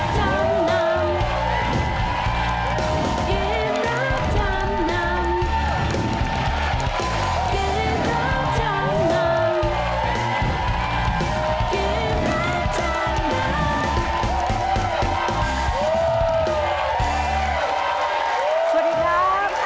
สวัสดีครับ